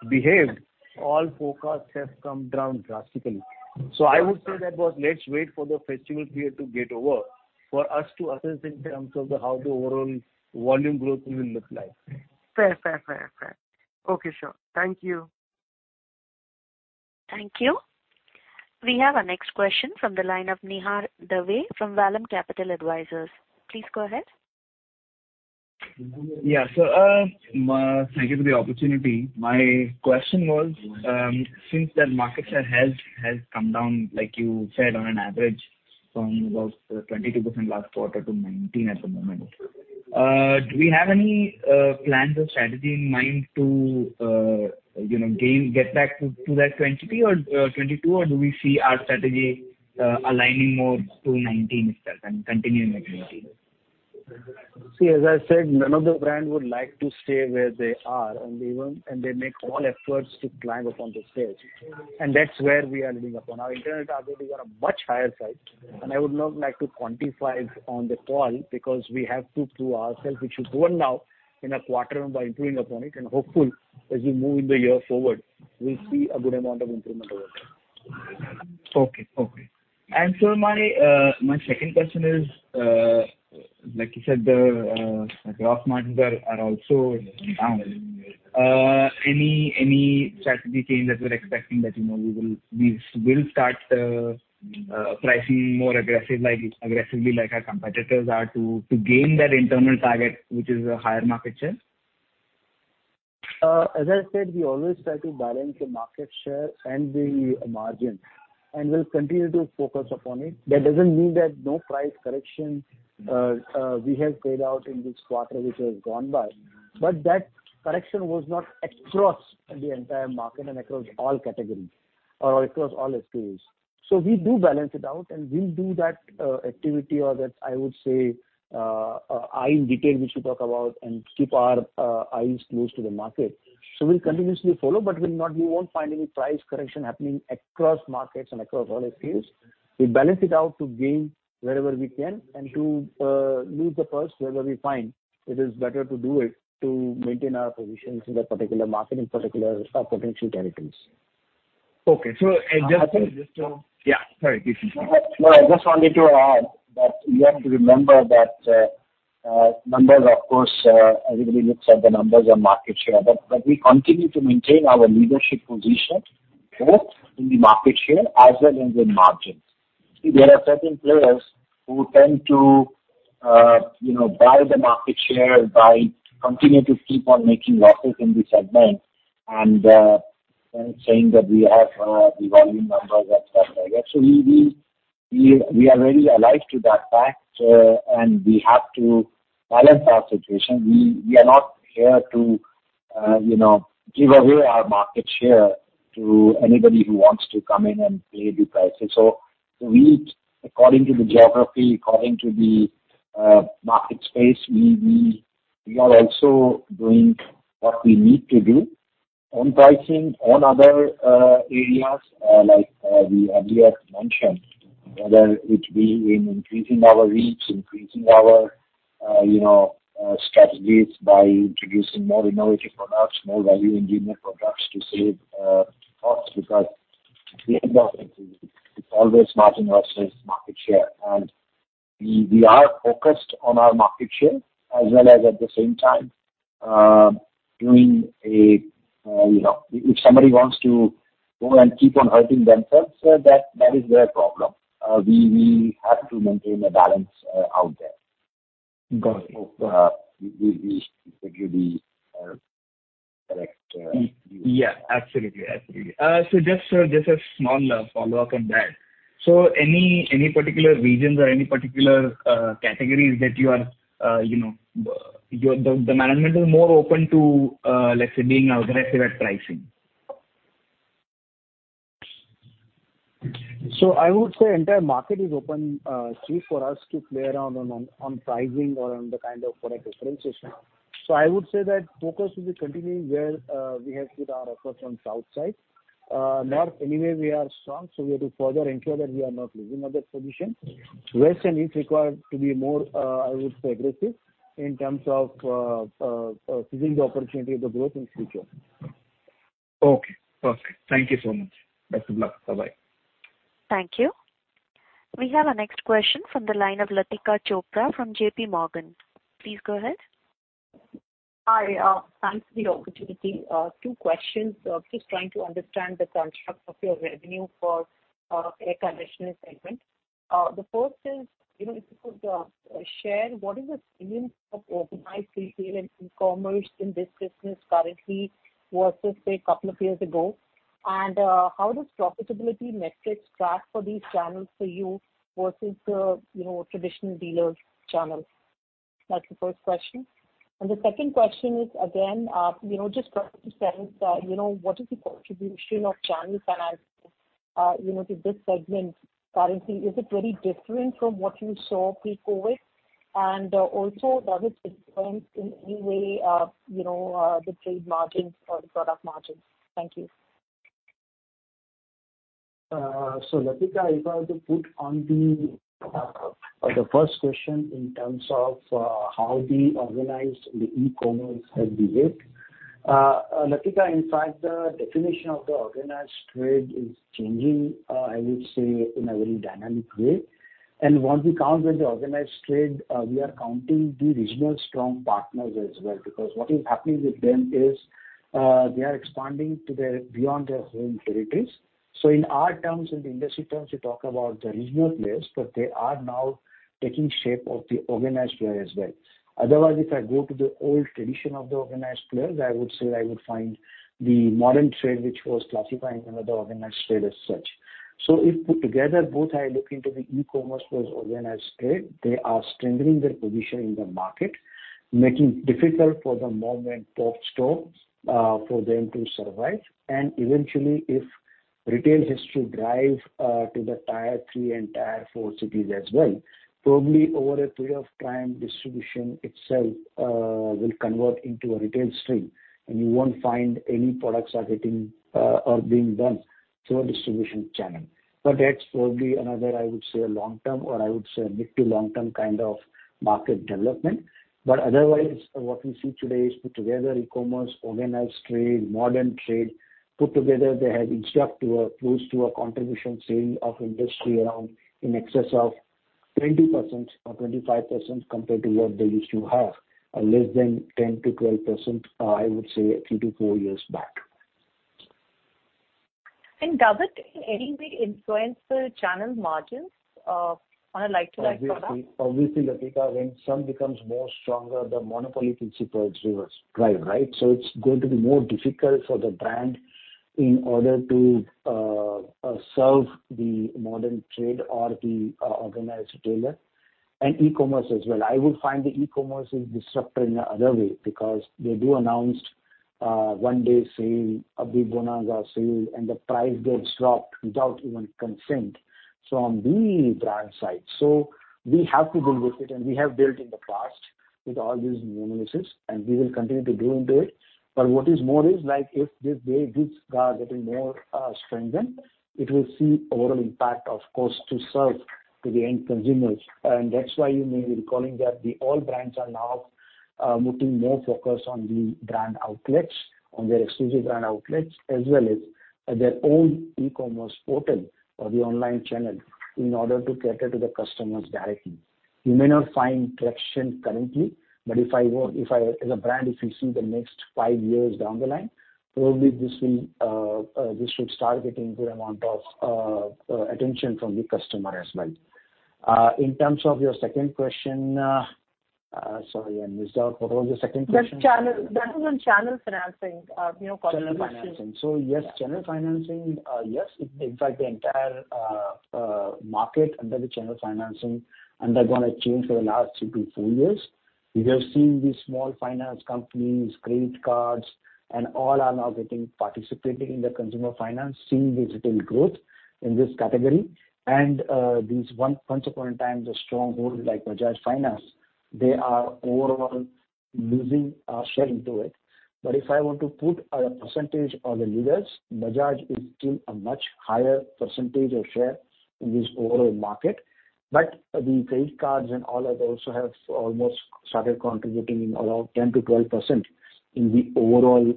behaved, all forecasts have come down drastically. I would say that, boss, let's wait for the festival period to get over for us to assess in terms of the how the overall volume growth will look like. Fair, fair, fair, fair. Okay, sure. Thank you. Thank you. We have our next question from the line of Nihar Dave, from Vallum Capital Advisors. Please go ahead. Yeah. thank you for the opportunity. My question was, since the market share has, has come down, like you said, on an average from about 22% last quarter to 19 at the moment, do we have any plans or strategy in mind to, you know, get back to, to that 20 or 22, or do we see our strategy aligning more to 19 itself and continuing at 19? See, as I said, none of the brand would like to stay where they are. They make all efforts to climb up on the stairs, and that's where we are living upon. Our internal targets are a much higher side. I would not like to quantify on the call, because we have to prove ourselves, which is done now in a quarter by improving upon it. Hopefully, as we move in the year forward, we'll see a good amount of improvement over there. Okay, okay. My, my second question is, like you said, the, gross margins are, are also down. Any, any strategy change that we're expecting that, you know, we will start, pricing more aggressive, like, aggressively, like our competitors are, to, to gain that internal target, which is a higher market share? As I said, we always try to balance the market share and the margin, and we'll continue to focus upon it. That doesn't mean that no price correction, we have played out in this quarter, which has gone by, but that correction was not across the entire market and across all categories or across all SKUs. We do balance it out, and we'll do that activity or that, I would say, eye in detail, we should talk about, and keep our eyes close to the market. We'll continuously follow, but we won't find any price correction happening across markets and across all SKUs. We balance it out to gain wherever we can and to lose the purse wherever we find it is better to do it, to maintain our positions in that particular market, in particular, potential territories. Okay. Yeah, sorry, please. No, I just wanted to add that we have to remember that, numbers, of course, everybody looks at the numbers of market share, but, but we continue to maintain our leadership position both in the market share as well as in the margins. There are certain players who tend to, you know, buy the market share by continuing to keep on making losses in this segment and, saying that we have, the volume numbers et cetera. We, we, we are very alive to that fact, and we have to balance our situation. We, we are not here to, you know, give away our market share to anybody who wants to come in and play the prices. We, according to the geography, according to the market space, we, we, we are also doing what we need to do on pricing, on other areas, like we have just mentioned, whether it be in increasing our reach, increasing our, you know, strategies by introducing more innovative products, more value-engineering products to save costs, because at the end of it, it's always margin versus market share. We, we are focused on our market share as well as at the same time, doing a, you know, if somebody wants to...... go and keep on hurting themselves, so that, that is their problem. We, we have to maintain a balance out there. Got it. We, we, think you'd be, correct. Yeah, absolutely. Absolutely. Just a small follow-up on that. Any, any particular regions or any particular categories that you are, you know, the management is more open to, let's say, being aggressive at pricing? I would say entire market is open, free for us to play around on, on pricing or on the kind of product differentiation. I would say that focus will be continuing where we have put our efforts on South side. North, anyway, we are strong, so we have to further ensure that we are not losing on that position. West, and it's required to be more, I would say, aggressive in terms of seizing the opportunity of the growth in future. Okay. Perfect. Thank you so much. Best of luck. Bye-bye. Thank you. We have our next question from the line of Latika Chopra from J.P. Morgan. Please go ahead. Hi, thanks for the opportunity. 2 questions. Just trying to understand the construct of your revenue for air conditioner segment. The first is, you know, if you could share what is the change of organized retail and e-commerce in this business currently versus, say, 2 years ago? How does profitability metrics track for these channels for you versus, you know, traditional dealers channels? That's the first question. The second question is, again, you know, just trying to understand, you know, what is the contribution of channel finance, you know, to this segment currently? Is it very different from what you saw pre-COVID? Also, does it influence in any way, you know, the trade margins or the product margins? Thank you. So, Latika, if I were to put on the first question in terms of how the organized and the e-commerce have behaved. Latika, in fact, the definition of the organized trade is changing, I would say in a very dynamic way. Once we count with the organized trade, we are counting the regional strong partners as well, because what is happening with them is, they are expanding to their-- beyond their home territories. So in our terms, in the industry terms, we talk about the regional players, but they are now taking shape of the organized player as well. Otherwise, if I go to the old tradition of the organized players, I would say I would find the modern trade, which was classifying another organized trade as such. If put together, both I look into the e-commerce versus organized trade, they are strengthening their position in the market, making difficult for the modern pop stores for them to survive. Eventually, if retail has to drive to the tier three and tier four cities as well, probably over a period of time, distribution itself will convert into a retail stream, and you won't find any products are getting or being done through a distribution channel. That's probably another, I would say, long term, or I would say, mid to long term kind of market development. Otherwise, what we see today is put together e-commerce, organized trade, modern trade, put together, they have instructed to a, close to a contribution sale of industry around in excess of 20% or 25% compared to what they used to have, less than 10%-12%, I would say 3-4 years back. Does it in any way influence the channel margins, on a like-to-like product? Obviously, obviously, Latika, when some becomes more stronger, the monopoly principle drives, right? It's going to be more difficult for the brand in order to serve the modern trade or the organized retailer and e-commerce as well. I would find the e-commerce is disruptive in another way because they do announce one day sale, a big bonanza sale, and the price gets dropped without even consent from the brand side. We have to build with it, and we have built in the past with all these ordinances, and we will continue to do into it. What is more is, like, if this way, this getting more strengthened, it will see overall impact, of course, to serve to the end consumers. That's why you may be recalling that the all brands are now putting more focus on the brand outlets, on their exclusive brand outlets, as well as their own e-commerce portal or the online channel, in order to cater to the customers directly. You may not find traction currently, but As a brand, if you see the next 5 years down the line, probably this will this should start getting good amount of attention from the customer as well. In terms of your second question, sorry, I missed out. What was the second question? That was on channel financing, you know, for the question. Channel financing. Yes, channel financing. Yes, in fact, the entire market under the channel financing, and they're gonna change for the last 3-4 years. We have seen these small finance companies, credit cards, and all are now getting participating in the consumer finance, seeing the digital growth in this category. These, once upon a time, the stronghold like Bajaj Finance, they are overall losing share into it. If I want to put a percentage on the leaders, Bajaj is still a much higher percentage of share in this overall market. The credit cards and all of those have almost started contributing in around 10%-12% in the overall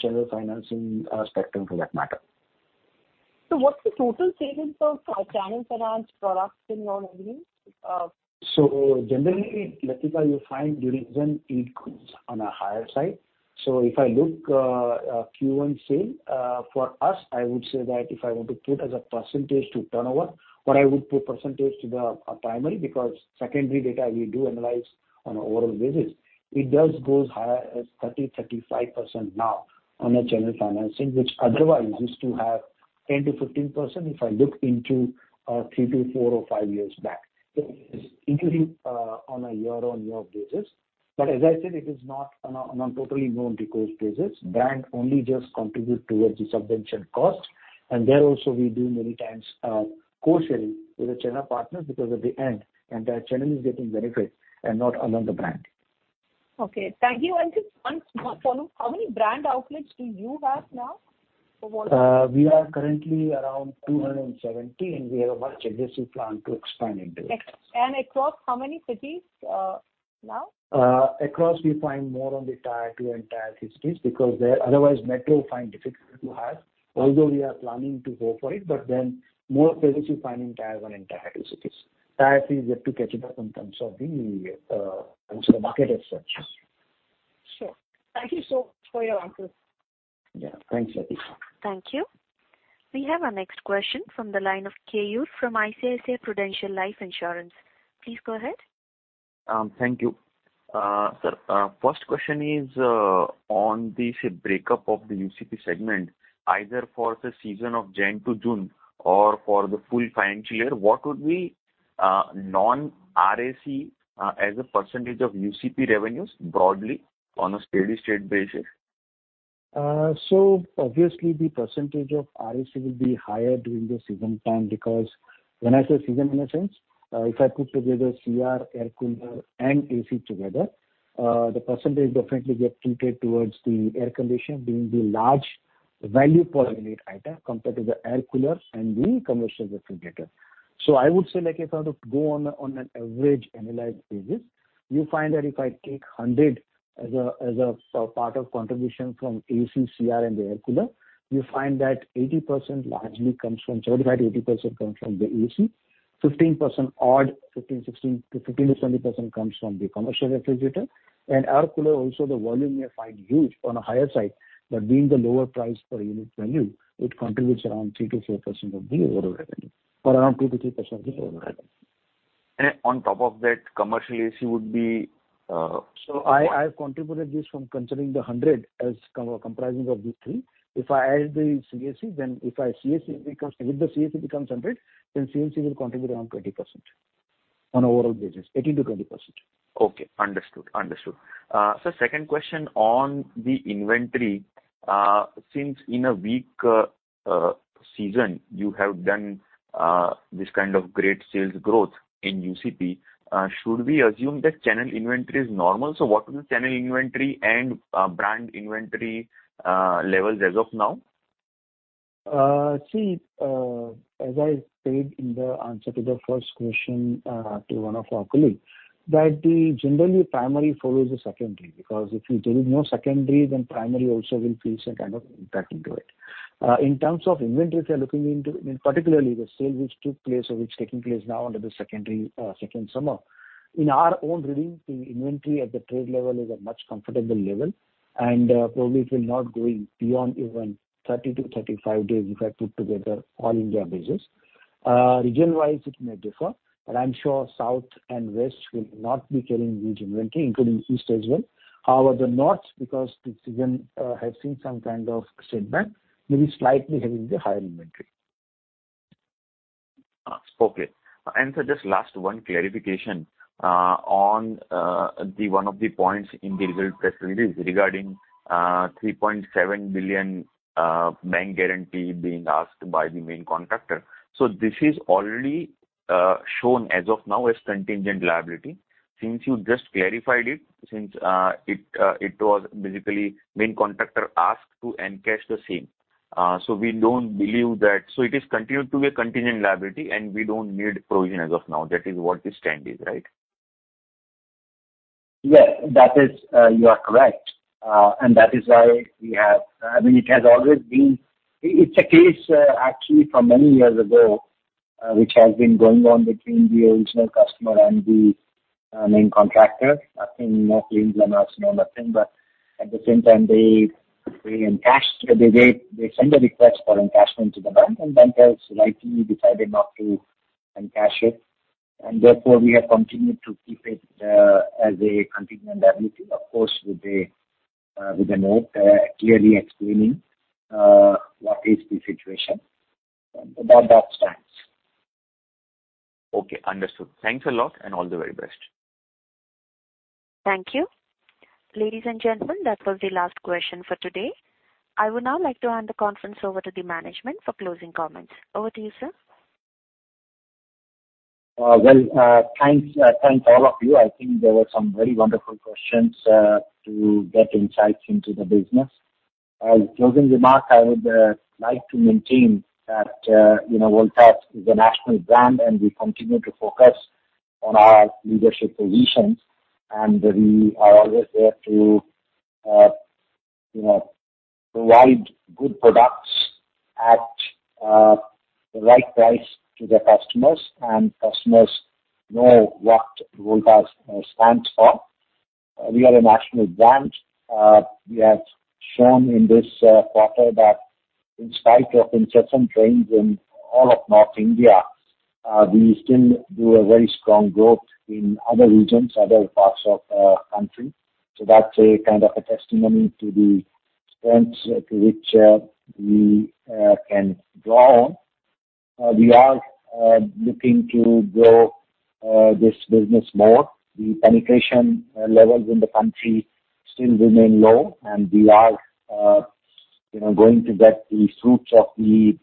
channel financing spectrum for that matter.... what's the total savings of our channel finance products in non-AGM? Generally, Latika, you find during season it goes on a higher side. If I look, at Q1 sale, for us, I would say that if I want to put as a percentage to turnover, but I would put percentage to the, primary, because secondary data we do analyze on an overall basis. It does goes higher as 30%-35% now on a channel financing, which otherwise used to have 10%-15% if I look into, three to four or five years back. It is increasing, on a year-on-year basis. As I said, it is not on a, on totally non-recourse basis. Brand only just contribute towards the subvention cost, and there also we do many times, co-sharing with the channel partners, because at the end, entire channel is getting benefit and not another brand. Okay, thank you. Just one more follow: How many brand outlets do you have now for Voltas? We are currently around 270, and we have a much aggressive plan to expand into it. Across how many cities, now? Across we find more on the Tier Two and Tier Three cities, because there. Otherwise, metro find difficult to have. Although we are planning to go for it, but then more presence you find in Tier One and Tier Two cities. Tier Three is yet to catch it up in terms of the, in terms of the market as such. Sure. Thank you so much for your answers. Yeah. Thanks, Latika. Thank you. We have our next question from the line of Keyur, from ICICI Prudential Life Insurance. Please go ahead. Thank you, sir. First question is, on the say breakup of the UCP segment, either for the season of January to June or for the full financial year, what would be non-RAC as a % of UCP revenues broadly on a steady-state basis? Obviously, the percentage of RAC will be higher during the season time, because when I say season in a sense, if I put together CR, air cooler, and AC together, the percentage definitely get tilted towards the air conditioner, being the large value per unit item compared to the air coolers and the commercial refrigerator. I would say, if I were to go on an average analyzed basis, you find that if I take 100 as a part of contribution from AC, CR, and the air cooler, you find that 80% largely comes from 35%-80% comes from the AC. 15% odd, 15, 16 to 15 to 20% comes from the commercial refrigerator. Air cooler also, the volume you may find huge on a higher side, but being the lower price per unit value, it contributes around 3%-4% of the overall revenue, or around 2%-3% of the overall revenue. on top of that, commercial AC would be I, I have contributed this from considering the 100 as comprising of these three. If I add the CAC, then if I CAC becomes if the CAC becomes 100, then CAC will contribute around 20% on overall basis, 18%-20%. Okay, understood. Understood. second question on the inventory. Since in a weak season, you have done this kind of great sales growth in UCP, should we assume that channel inventory is normal? What is the channel inventory and brand inventory levels as of now? See, as I said in the answer to the first question, to one of our colleague, that the generally primary follows the secondary, because if there is no secondary, then primary also will feel some kind of impact into it. In terms of inventory, if you're looking into, in particularly the sales which took place or which is taking place now under the secondary, second summer. In our own reading, the inventory at the trade level is a much comfortable level, and probably it will not going beyond even 30-35 days if I put together all India basis. Region-wise, it may differ, but I'm sure South and West will not be carrying huge inventory, including East as well. However, the North, because the season, has seen some kind of setback, may be slightly having the higher inventory. Okay. Just last one clarification on the one of the points in the result press release regarding 3.7 billion bank guarantee being asked by the main contractor. This is already shown as of now as contingent liability. Since you just clarified it, since it was basically main contractor asked to encash the same. We don't believe that... It is continued to be a contingent liability, and we don't need provision as of now. That is what the stand is, right? Yes, that is, you are correct. That is why we have... I mean, it has always been... It, it's a case, actually, from many years ago, which has been going on between the original customer and the main contractor. Nothing, no claims on us, no nothing. At the same time, they, they encash, they, they, they send a request for encashment to the bank, bankers lightly decided not to encash it, therefore, we have continued to keep it as a contingent liability. Of course, with a, with a note, clearly explaining what is the situation. That, that stands. Okay, understood. Thanks a lot, and all the very best. Thank you. Ladies and gentlemen, that was the last question for today. I would now like to hand the conference over to the management for closing comments. Over to you, sir. Well, thanks, thanks, all of you. I think there were some very wonderful questions, to get insights into the business. As closing remark, I would like to maintain that, you know, Voltas is a national brand, and we continue to focus on our leadership positions, and we are always there to-... you know, provide good products at the right price to the customers, and customers know what Voltas stands for. We are a national brand. We have shown in this quarter that in spite of incessant rains in all of North India, we still do a very strong growth in other regions, other parts of country. That's a kind of a testimony to the strengths to which we can draw on. We are looking to grow this business more. The penetration levels in the country still remain low, and we are, you know, going to get the fruits of the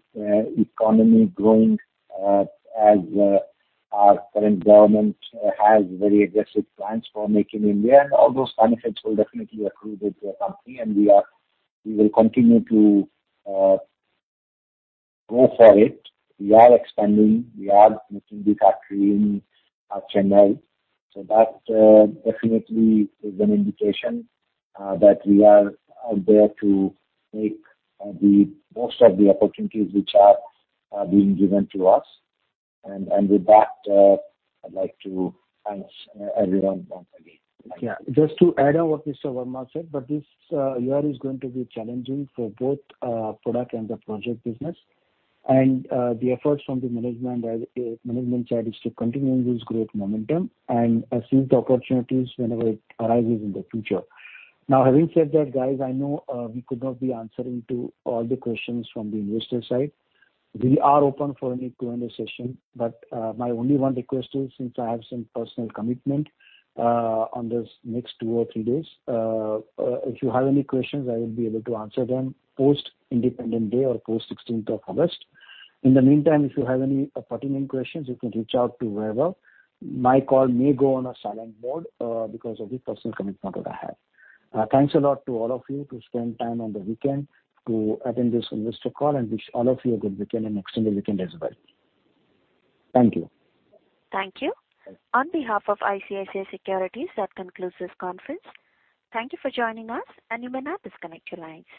economy growing, as our current government has very aggressive plans for making India, and all those benefits will definitely accrue into our company, and we will continue to go for it. We are expanding, we are making the factory in Chennai. That definitely is an indication that we are out there to make the most of the opportunities which are being given to us. With that, I'd like to thank everyone once again. Yeah. Just to add on what Mr. Verma said, this year is going to be challenging for both product and the project business. The efforts from the management as a management side is to continue this great momentum and assume the opportunities whenever it arises in the future. Now, having said that, guys, I know, we could not be answering to all the questions from the investor side. We are open for any Q&A session, my only one request is, since I have some personal commitment on this next two or three days, if you have any questions, I will be able to answer them post Independence Day or post 16th of August. In the meantime, if you have any pertinent questions, you can reach out to whoever. My call may go on a silent mode because of the personal commitment that I have. Thanks a lot to all of you to spend time on the weekend to attend this investor call, and wish all of you a good weekend and next weekend as well. Thank you. Thank you. On behalf of ICICI Securities, that concludes this conference. Thank you for joining us, and you may now disconnect your lines.